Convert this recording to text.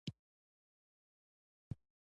زه د جملو په لیکلو او سمولو نه ستړې کېدم.